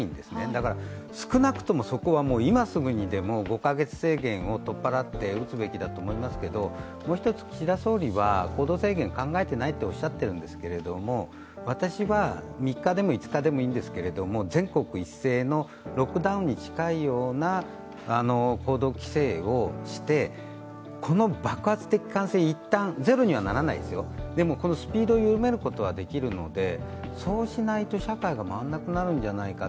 だから、少なくともそこは今すぐにでも、５カ月制限を取っ払って打つべきだと思いますけど、もう一つ岸田総理は行動制限を考えていないとおっしゃっているんですが私は、３日でも５日でもいいんですけど全国一斉のロックダウンに近いような行動規制をしてこの爆発的な感染、ゼロにはならないですよ、でもスピードを緩めることはできるのでそうしないと、社会が回らなくなるんじゃないか。